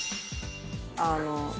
あの。